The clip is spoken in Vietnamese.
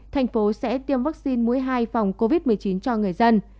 thành phố sẽ tiêm vaccine mũi hai phòng covid một mươi chín cho người dân